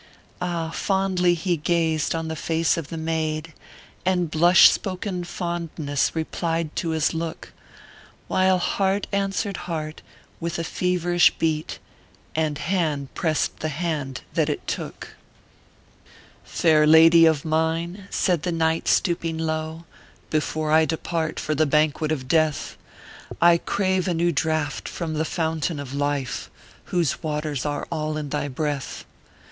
Ah } fondly he gazed on the face of the maid I And blush spoken fondness replied to his look ; "While heart answered heart with a feverish beat, And hand pressed the hand that it took. 360 ORPHEUS c. KERR PAPERS. " Fair lady of mine," said the knight, stooping low, " Before I depart for the banquet of Death, I crave a new draught from tho fountain of Life, Whose waters are all in thy breath.